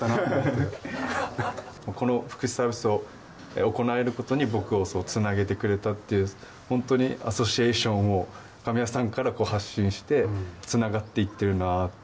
この福祉サービスを行える事に僕を繋げてくれたっていう本当にアソシエーションを神谷さんからこう発信して繋がっていってるなって。